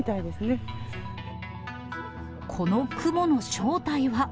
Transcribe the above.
この雲の正体は？